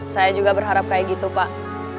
saya juga berharap kayak gitu pak